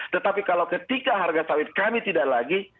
tetapi kalau ketika harga sawit kami tidak lagi